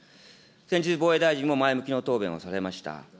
先日、防衛大臣も前向きの答弁をされました。